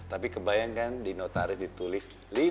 tapi kebayangkan di notaris ditulis lima